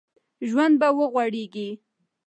ژوند به وغوړېږي